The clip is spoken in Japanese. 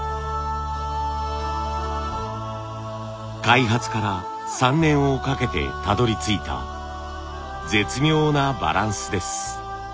開発から３年をかけてたどりついた絶妙なバランスです。